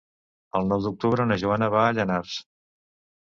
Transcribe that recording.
El nou d'octubre na Joana va a Llanars.